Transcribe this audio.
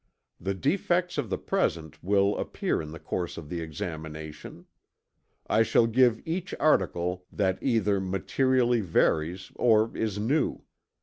The defects of the present will appear in the course of the examination. I shall give each article that either materially varies or is new.